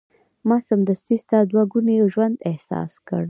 ما سمدستي ستا دوه ګونی ژوند احساس کړ.